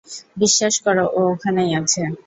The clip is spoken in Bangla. বিশ্বাস করো, ও ওখানেই আছে।